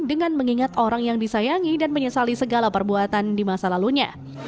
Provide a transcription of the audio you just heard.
dengan mengingat orang yang disayangi dan menyesali segala perbuatan di masa lalunya